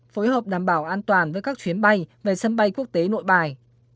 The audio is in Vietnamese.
phối hợp đảm bảo an toàn với các chuyến bay về sân bay quốc tế nội bài